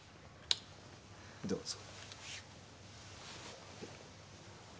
どうぞ。